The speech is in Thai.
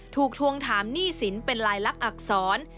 ทวงถามหนี้สินเป็นลายลักษณอักษร